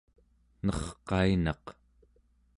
nerqainaq